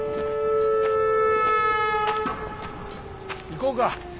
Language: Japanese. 行こうか。